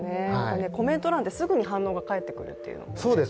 コメント欄ですぐに反応が返ってくると。